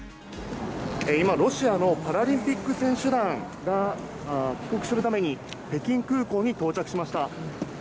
今、ロシアのパラリンピック選手団が、帰国するために、北京空港に到着しました。